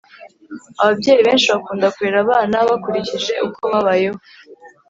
ababyeyi benshi bakunda kurera abana bakurikije uko babayeho